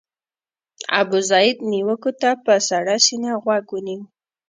ابوزید نیوکو ته په سړه سینه غوږ ونیو.